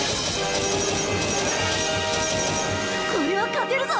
これは勝てるぞ！